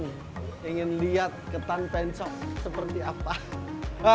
saya ingin lihat ketan pencok seperti apa